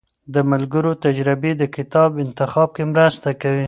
د ملګرو تجربې د کتاب انتخاب کې مرسته کوي.